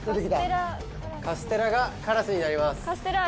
カステラがカラスになります